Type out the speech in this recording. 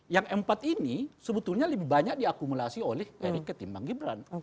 yang empat ini sebetulnya lebih banyak diakumulasi oleh erick ketimbang gibran